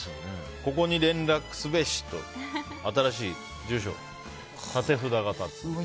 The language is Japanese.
ここに連絡すべしと新しい住所立て札が立っていたと。